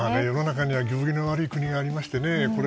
世の中には行儀の悪い国がありましてね。